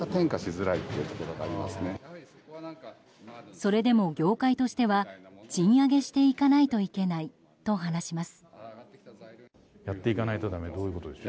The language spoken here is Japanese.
それでも業界としては賃上げしていかないといけないと話します。